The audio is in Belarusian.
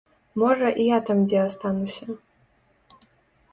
Можа, і я там дзе астануся.